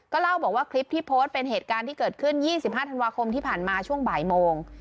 เล่าบอกว่าคลิปที่โพสต์เป็นเหตุการณ์ที่เกิดขึ้น๒๕ธันวาคมที่ผ่านมาช่วงบ่ายโมง